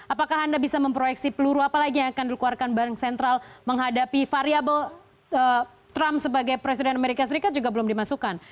apakah anda bisa memproyeksi peluru apalagi yang akan dikeluarkan bank sentral menghadapi variable trump sebagai presiden amerika serikat juga belum dimasukkan